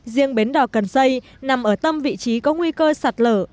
riêng bến đỏ cần xây nằm ở tâm vị trí có nguy cơ sạt lở